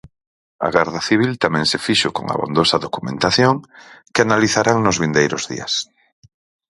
A Garda Civil tamén se fixo con abondosa documentación, que analizarán nos vindeiros días.